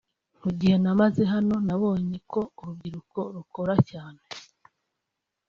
Mu gihe maze hano nabonye ko urubyiruko rukora cyane